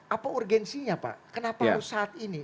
apa urgensinya pak kenapa harus saat ini